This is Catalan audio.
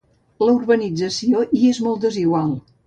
La urbanització hi és molt desigual.